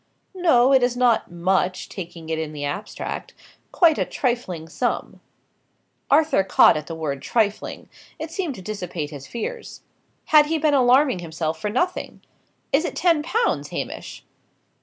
"No, it is not much, taking it in the abstract. Quite a trifling sum." Arthur caught at the word "trifling;" it seemed to dissipate his fears. Had he been alarming himself for nothing! "Is it ten pounds, Hamish?"